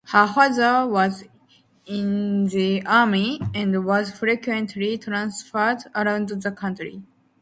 Her father was in the Army and was frequently transferred around the country.